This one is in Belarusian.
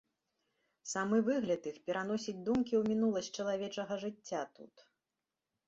Самы выгляд іх пераносіць думкі ў мінуласць чалавечага жыцця тут.